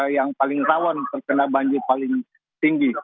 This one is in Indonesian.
yang paling rawan terkena banjir paling tinggi